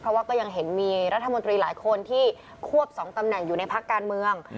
เพราะว่าก็ยังเห็นมีรัฐมนตรีหลายคนที่ควบ๒ตำแหน่งอยู่ในพักการเมือง